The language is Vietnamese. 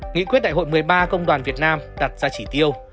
nghị quyết đại hội một mươi ba công đoàn việt nam đặt ra chỉ tiêu